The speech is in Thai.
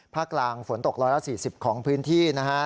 ภาคกลางฝนตก๑๔๐ของพื้นที่นะฮะ